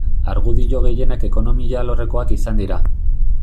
Argudio gehienak ekonomia alorrekoak izan dira.